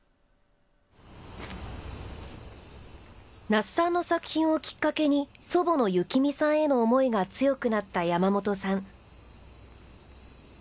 那須さんの作品をきっかけに、祖母のユキミさんへの思いが強くなった山本さん。